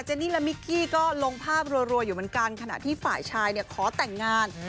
นี่และมิกกี้ก็ลงภาพรัวอยู่เหมือนกันขณะที่ฝ่ายชายเนี่ยขอแต่งงาน